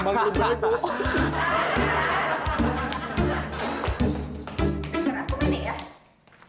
emang lu bego